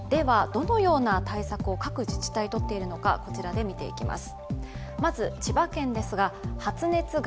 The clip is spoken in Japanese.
どのような対策を各自治体取っているのか、見ていきます。